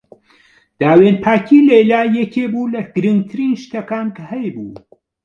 داوێنپاکیی لەیلا یەکێک بوو لە گرنگترین شتەکان کە هەیبوو.